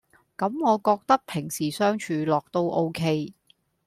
咁我覺得平時相處落都 ok